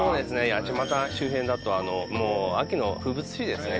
八街周辺だともう秋の風物詩ですね。